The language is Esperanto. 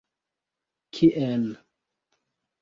Kien?